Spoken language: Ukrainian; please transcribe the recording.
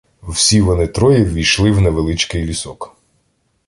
Всі вони троє ввійшли в невеличкий лісок.